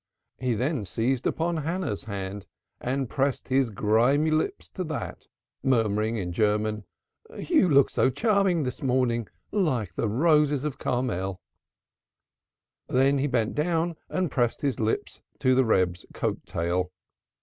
He then seized upon Hannah's hand and pressed his grimy lips to that, murmuring in German: "Thou lookest so charming this morning, like the roses of Carmel." Next he bent down and pressed his lips to the Reb's coat tail.